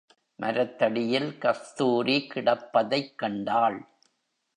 மரத்தடியில் கஸ்தூரி கிடப்பதைக் கண்டாள்.